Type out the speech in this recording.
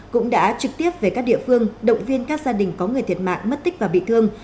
cũng đã trực tiếp về các địa phương động viên các gia đình có người thiệt mạng mất tích và bị thương